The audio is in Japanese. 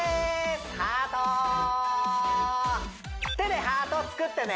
ハート手でハートを作ってね